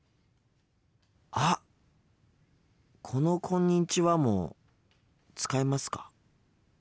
あっこの「こんにちは」も使いますか？